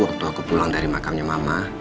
waktu aku pulang dari makamnya mama